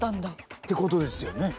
ってことですよね。